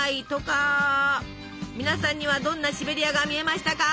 皆さんにはどんなシベリアが見えましたか？